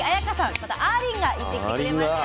ことあーりんが行ってきてくれました。